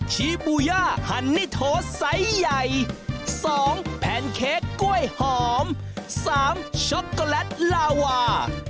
ชีบูย่าฮันนี่โทสไซส์ใหญ่๒แพนเค้กกล้วยหอม๓ช็อกโกแลตลาวา